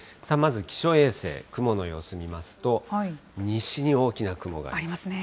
まず気象衛星、雲の様子見ますと、西に大きな雲があります。